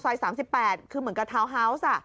๓๘คือเหมือนกับทาวน์ฮาวส์